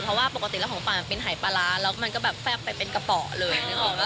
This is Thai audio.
เพราะว่าปกติแล้วของป่ามันเป็นหายปลาร้าแล้วมันก็แบบแฟบไปเป็นกระเป๋าเลยนึกออกป่